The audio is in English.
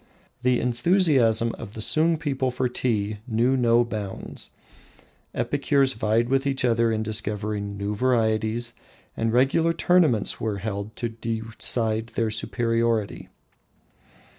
The enthusiasm of the Sung people for tea knew no bounds. Epicures vied with each other in discovering new varieties, and regular tournaments were held to decide their superiority.